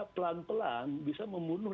pelan pelan bisa membunuh